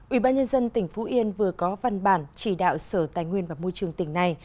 ủy ban nhân dân tỉnh phú yên vừa có văn bản chỉ đạo sở tài nguyên và môi trường tỉnh này